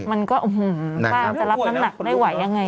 บ้านจะรับประนักได้ไหวยังไงนะ